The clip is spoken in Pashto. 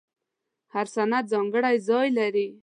هر سند ځانګړی ځای لري.